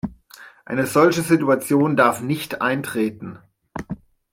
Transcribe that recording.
Eine solche Situation darf nicht eintreten.